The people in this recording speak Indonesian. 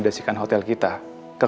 salah satu buah apel pertama